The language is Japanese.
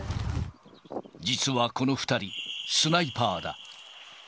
実はこの２人、スナイパーだ。